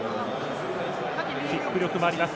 キック力もあります。